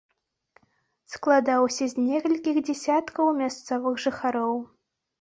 Складаўся з некалькіх дзясяткаў мясцовых жыхароў.